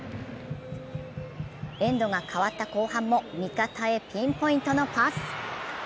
エンドが変わった後半も味方へピンポイントのパス。